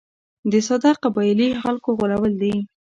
د ساده قبایلي خلکو غولول دي.